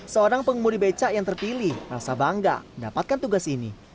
seorang pengemudi becak yang terpilih rasa bangga mendapatkan tugas ini